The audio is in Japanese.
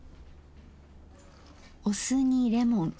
お酢にレモン。